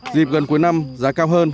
dịp gần cuối năm giá cao hơn